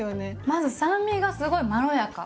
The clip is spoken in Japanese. まず酸味がすごいまろやか。